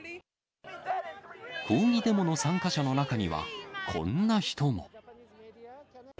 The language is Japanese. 抗議デモの参加者の中には、こんな人も。